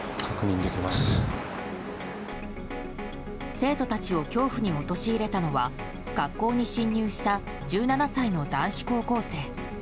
生徒たちを恐怖に陥れたのは学校に侵入した１７歳の男子高校生。